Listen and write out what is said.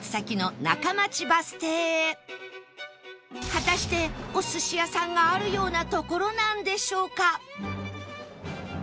果たしてお寿司屋さんがあるような所なんでしょうか？